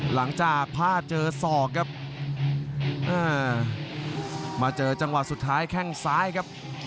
หลังจากพลาดเจอศอกครับเออมาเจอจังหวะสุดท้ายแข้งซ้ายครับ